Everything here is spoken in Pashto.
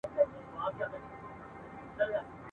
د بايرن غوندي سپېڅلی هم پر ښځه باندي د طنز کولو زړه کوي وايې؛